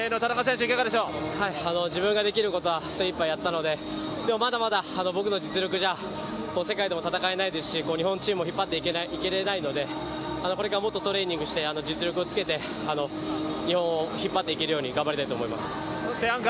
自分ができることは精いっぱいやったのででもまだまだ僕の実力じゃ世界とも戦えないですし日本チームを引っ張っていけられないのでこれからもっとトレーニングして実力をつけて日本を引っ張っていけるように頑張っていきたいです。